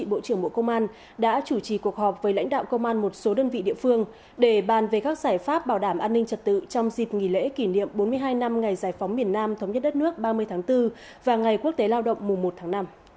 bộ trưởng bộ công an đã chủ trì cuộc họp với lãnh đạo công an một số đơn vị địa phương để bàn về các giải pháp bảo đảm an ninh trật tự trong dịp nghỉ lễ kỷ niệm bốn mươi hai năm ngày giải phóng miền nam thống nhất đất nước ba mươi tháng bốn và ngày quốc tế lao động mùa một tháng năm